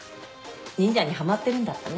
忍者にはまってるんだったね。